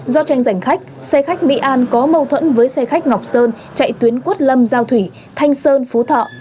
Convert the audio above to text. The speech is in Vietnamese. do tranh giành khách xe khách mỹ an có mâu thuẫn với xe khách ngọc sơn chạy tuyến quốc lâm giao thủy thanh sơn phú thọ